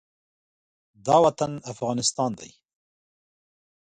دا وطن افغانستان دی